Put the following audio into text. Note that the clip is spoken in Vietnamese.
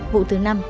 vụ thứ năm